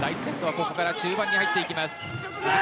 ここから中盤に入っていきます。